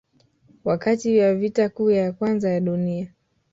Wakati wa Vita Kuu ya Kwanza ya Dunia